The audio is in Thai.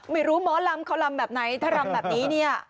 ไม่รู้บางหมอลำกอลลำแบบไหนถ้าลำแบบนี้นี่